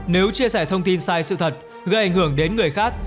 nếu chia sẻ thông tin sai sự thật gây ảnh hưởng đến người khác